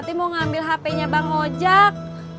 nanti mau ngambil hp nya bang ojak